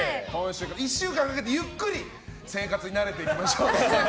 １週間かけて、ゆっくり生活に慣れていきましょうね。